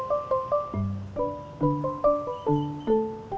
lo kalau wirturka lo ialah far salt